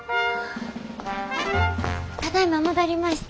ただいま戻りました。